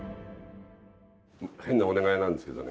変なお願いなんですけどね